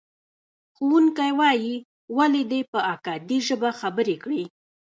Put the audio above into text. ښوونکی وایي، ولې دې په اکدي ژبه خبرې کړې؟